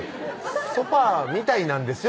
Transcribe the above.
「ソファーみたいなんですよ」